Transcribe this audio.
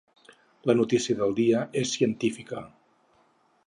La notícia del dia és científica.